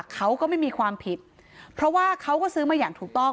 เขาก็ไม่มีความผิดเพราะว่าเขาก็ซื้อมาอย่างถูกต้อง